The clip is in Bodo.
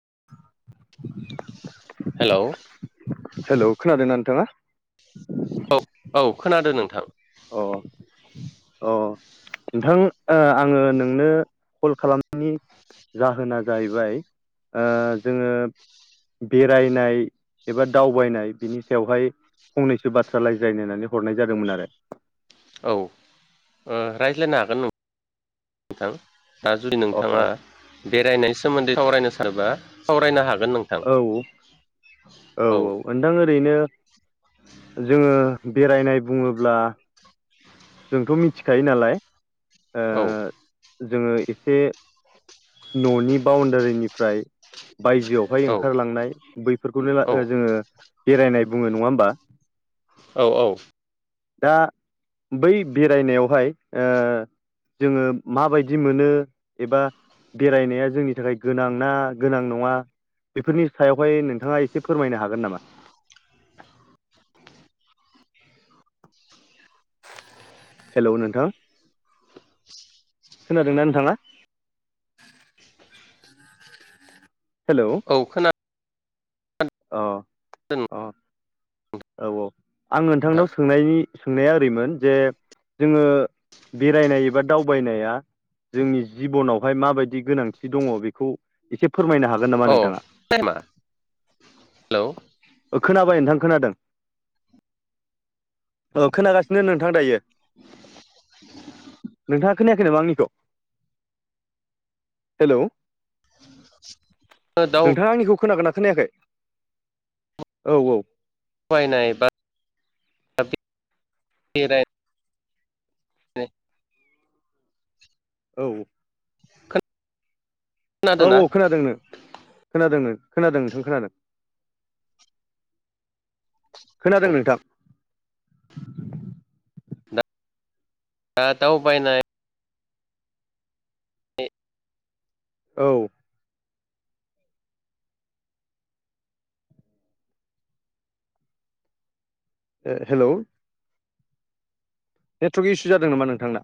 [unintelligible] हेलौ। हेलौ खोनादोंना नोंथाङा? खोनादो नोंथां। अ अ। नोंथां ओ आङो नोंनो कल खालामनायनि जाहोना जाहैबाय ओ जोङो बेरायनाय एबा दावबायनाय बिनि सायावहाय फंनैसो बाथ्रा लायज्रायनो होन्नानै हरनाय जादोंमोन आरो। औ ओ रायज्लायनो हागोन नों थां। दा जुदि अ नोंथाङा बेरायनायनि सोमोन्दै सावरायनो सानोबा सावरायनो हा औ औ औ ओनथां ओरैनो जोङो बेरायनाय बुङोब्ला जोंथ' मिथिखायो नालाय ओ औ। जोङो एसे न'नि बाउनडारिनिफ्राय बायजोआवहाय ओंखारलांनाय बैफोरखौनो ला औ ओ जोङो बेरायनाय बुङो नङा होमबा? औ औ। दा बै बेरायनायावहाय ओ जोङो माबायदि मोनो एबा बेरायनाया जोंनि थाखाय गोनां ना गोनां नङा बेफोरनि सायावहाय नोंथाङा एसे फोरमायनो हागोन नामा? हेलौ नोंथां। खोनादोंना नोंथाङा? हेलौ औ खोना अ अ औ औ। आं नोंथां नोंथांनाव सोंनायनि सोंनाया ओरैमोन जे जोङो बेरायनाय एबा दावबायनाया जोंनि जिब'नावहाय माबायदि गोनांथि दङ बेखौ एसे फोरमायनो हागोन नामा अ नोंथाङा टाइमा हेलौ ओ खोनाबाय नोंथां? खोनादों औ खोनागासिनो नोंथां दायो। नोंथां खोनायाखै नामा आंनिखौ हेलौ। नोंथाङा आंनिखौ खोनागोन ना खोनायाखै औ औ। बायनाय बा [inaudible] बेराय [inaudible] औ औ खोनादोंना औ खोनादोंनो खोनादोंनो खोनादों नोंथां खोनादों खोनादों औ नोंथां। दा दावबायनाय औ ओ हेलौ। नेटवर्क इसु जादों नामा नोंथांना?